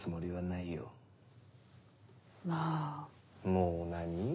もう何？